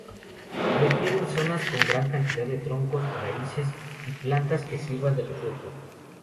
Prefieren zonas con gran cantidad de troncos, raíces y plantas que sirvan de refugio.